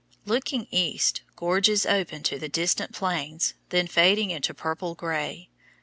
Looking east, gorges opened to the distant Plains, then fading into purple grey.